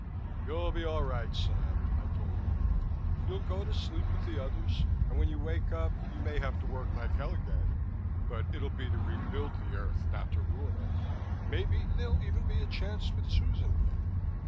"You'll be all right, Sam," I told him. "You'll go to sleep with the others. And when you wake up, you may have to work like hell again, but it'll be to rebuild the Earth, not to ruin it. Maybe there'll even be a chance with Susan again."